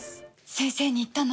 先生に言ったの？